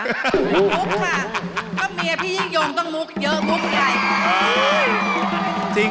มุกค่ะก็เมียพี่ยิ่งยงต้องมุกเยอะมุกใหญ่ค่ะ